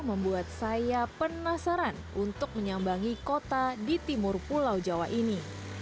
membuat saya penasaran untuk menyambangi kota di timur pulau jawa ini